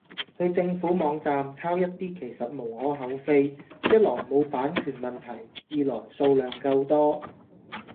去政府網站抄一啲其實無可厚非，一來冇版權問題，二來數量夠多